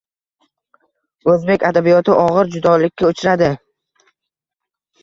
Oʻzbek adabiyoti ogʻir judolikka uchradi